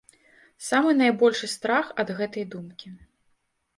Самы найбольшы страх ад гэткай думкі.